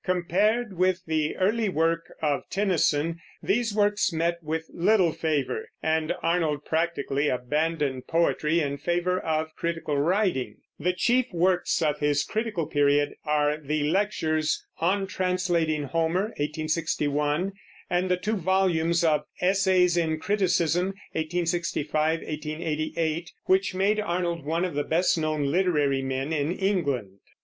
Compared with the early work of Tennyson, these works met with little favor, and Arnold practically abandoned poetry in favor of critical writing. The chief works of his critical period are the lectures On Translating Homer (1861) and the two volumes of Essays in Criticism (1865 1888), which made Arnold one of the best known literary men in England.